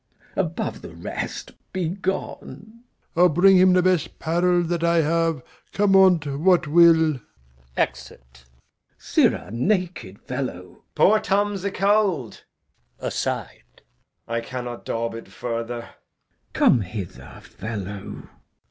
Above the rest, be gone. Old Man. I'll bring him the best 'parel that I have, Come on't what will. Exit. Glou. Sirrah naked fellow Edg. Poor Tom's acold. [Aside] I cannot daub it further. Glou. Come hither, fellow.